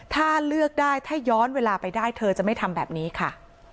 ถ้าเลือกได้ถ้าย้อนเวลาไปได้เธอจะไม่ทำแบบนี้ค่ะ